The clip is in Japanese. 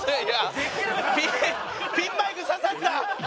ピンマイク刺さった！